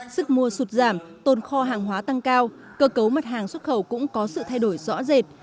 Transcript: sức mua sụt giảm tồn kho hàng hóa tăng cao cơ cấu mật hàng xuất khẩu cũng có sự thay đổi rõ rệt